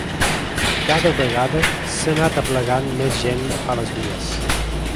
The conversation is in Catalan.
Cada vegada s’ha anat aplegant més gent a les vies.